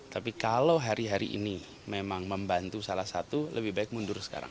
tapi kalau hari hari ini memang membantu salah satu lebih baik mundur sekarang